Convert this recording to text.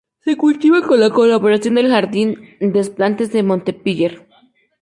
Se cultiva con la colaboración del Jardin des Plantes de Montpellier.